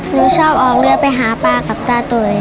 หนูชอบออกเรือไปหาปลากับตาตุ๋ย